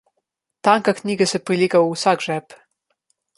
Tanka knjiga se prilega v vsak žep.